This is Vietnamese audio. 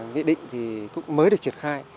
nghị định thì cũng mới được triển khai